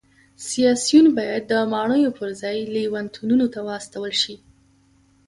سیاسیون باید د ماڼیو پرځای لېونتونونو ته واستول شي